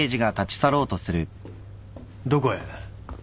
どこへ？